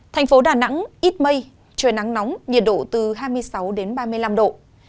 thành phố đà nẵng ít mây trời nắng nóng nhiệt độ từ hai mươi sáu đến ba mươi năm độ